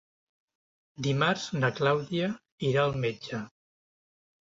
Dimarts na Clàudia irà al metge.